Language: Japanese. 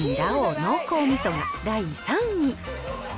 濃厚味噌が第３位。